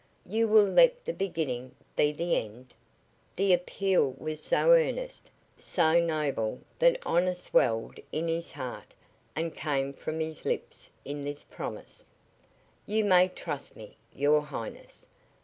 You will let the beginning be the end?" The appeal was so earnest, so noble that honor swelled in his heart and came from his lips in this promise: "You may trust me, your Highness.